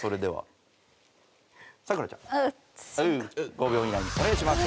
５秒以内にお願いします。